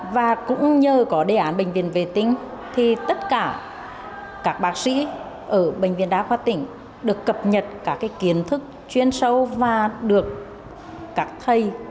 và cũng nhờ có đề án bệnh viện vệ tinh thì tất cả các bác sĩ ở bệnh viện đa khoa tỉnh được cập nhật các kiến thức chuyên sâu và được các thầy